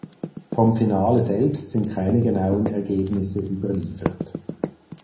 Vom Finale selbst sind keine genauen Ergebnisse überliefert.